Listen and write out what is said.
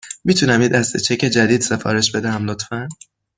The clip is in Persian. می تونم یک دسته چک جدید سفارش بدهم، لطفاً؟